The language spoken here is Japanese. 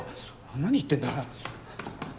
なに言ってんだ。